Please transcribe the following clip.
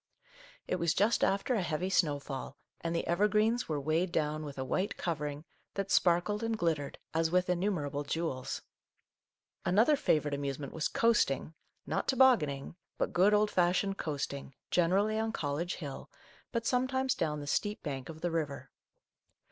It was just after a heavy snowfall, and the evergreens were weighed down with a white covering that sparkled and glittered as with innumerable jewels. Another favourite amuse ment was coasting, — not tobogganing, but good, old fashioned coasting, generally on Col lege Hill, but sometimes down the steep bank of the river.